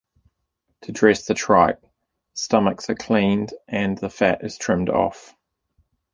To dress the tripe, the stomachs are cleaned and the fat trimmed off.